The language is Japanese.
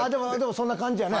そんな感じやね。